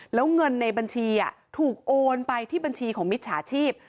แล้วเงินในบัญชีถูกโอนไปที่บัญชีของมิจฉาชีพ